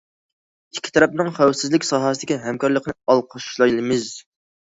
ئىككى تەرەپنىڭ خەۋپسىزلىك ساھەسىدىكى ھەمكارلىقىنى ئالقىشلايمىز.